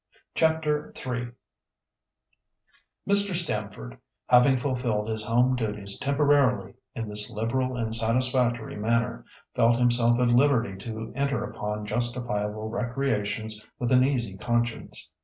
CHAPTER III Mr. Stamford, having fulfilled his home duties temporarily in this liberal and satisfactory manner, felt himself at liberty to enter upon justifiable recreations with an easy conscience.